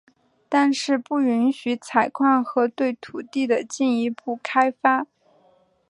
但是不允许采矿和对土地的进一步开发。